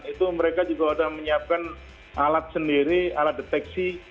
itu mereka juga sudah menyiapkan alat sendiri alat deteksi